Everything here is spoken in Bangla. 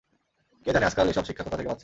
কে জানে আজকাল এ-সব শিক্ষা কোথা থেকে পাচ্ছে।